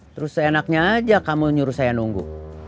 terus seenaknya aja kamu nyuruh saya nunggu